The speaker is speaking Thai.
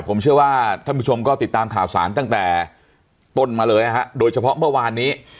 ผมเชื่อว่าท่านผู้ชมก็ติดตามข่าวสารตั้งแต่ต้นมาเลยนะฮะโดยเฉพาะเมื่อวานนี้